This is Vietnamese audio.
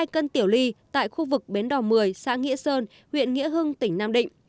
hai cân tiểu ly tại khu vực bến đỏ một mươi xã nghĩa sơn huyện nghĩa hưng tỉnh nam định